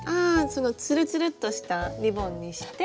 そのつるつるっとしたリボンにして。